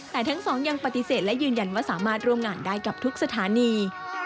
แต่ทั้งสองยังปฏิเสธและยืนยันว่าสามารถร่วมงานได้กับทุกสถานี